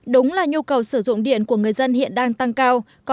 đúng là nhu cầu sử dụng điện của người dân hiện đang tăng cao